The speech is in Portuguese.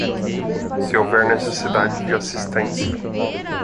Se houver necessidade de assistência